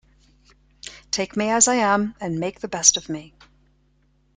Take me as I am, and make the best of me.